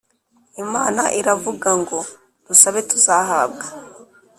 Imana iravugango dusabe tuzahabwa